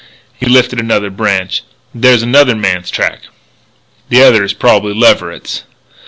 He lifted another branch. "There's another man's track!" "The other is probably Leverett's."